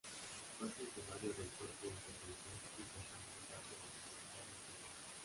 Fue funcionario del cuerpo de intervención y contabilidad de la Seguridad social.